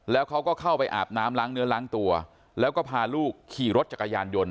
แล้วเขาก็เข้าไปอาบน้ำล้างเนื้อล้างตัวแล้วก็พาลูกขี่รถจักรยานยนต